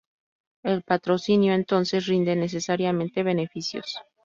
El patrocinio, entonces, rinde necesariamente beneficios.